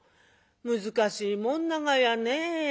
「難しいもんながやね」。